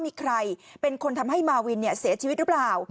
มีใครเป็นคนทำให้มาวินเสียชีวิตหรือเปล่า